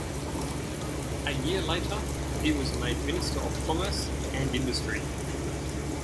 A year later, he was made Minister of Commerce and Industry.